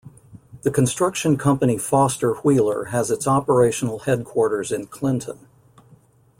The construction company Foster Wheeler has its operational headquarters in Clinton.